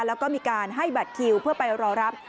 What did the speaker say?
แล้วก็มีการให้บัตรคิวเพื่อไปรอรับ